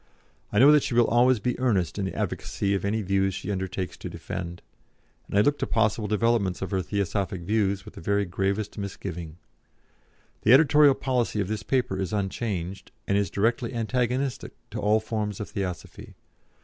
I know that she will always be earnest in the advocacy of any views she undertakes to defend, and I look to possible developments of her Theosophic views with the very gravest misgiving. The editorial policy of this paper is unchanged, and is directly antagonistic to all forms of Theosophy.